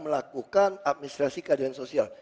melakukan administrasi keadilan sosial